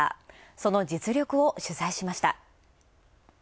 その実力を取材しました。